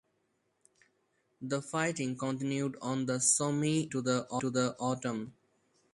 The fighting continued on the Somme into the Autumn.